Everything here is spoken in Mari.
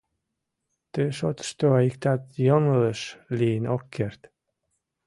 Ты шотышто иктат йоҥылыш лийын ок керт.